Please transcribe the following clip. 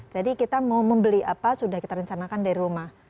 jadi kita mau membeli apa sudah kita rencanakan dari rumah